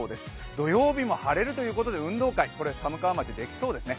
土曜日も晴れるということで運動会、寒川町、できそうですね。